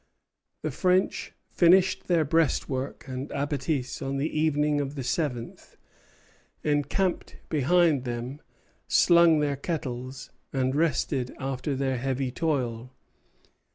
The French finished their breastwork and abattis on the evening of the seventh, encamped behind them, slung their kettles, and rested after their heavy toil.